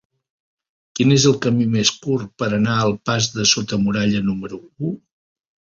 Quin és el camí més curt per anar al pas de Sota Muralla número u?